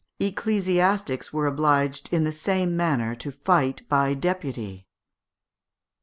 ] Ecclesiastics were obliged, in the same maimer, to fight by deputy.